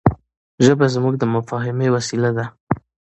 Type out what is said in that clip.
ژبه زموږ د مفاهيمي وسیله ده.